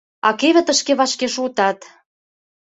А кевытышке вашке шуытат.